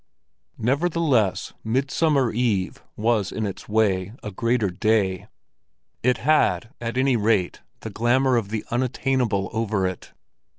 Nevertheless, Midsummer Eve was in its way a greater day; it had at any rate the glamour of the unattainable over it.